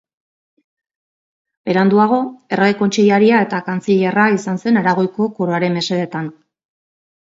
Beranduago, errege kontseilaria eta kantzilerra izan zen Aragoiko koroaren mesedetan.